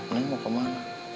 neng mau ke mana